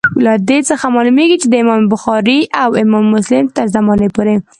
له دې څخه معلومیږي چي د امام بخاري او امام مسلم تر زمانې پوري.